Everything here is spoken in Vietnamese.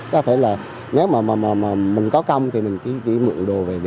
có thể là nếu mà mình có công thì mình chỉ mượn đồ về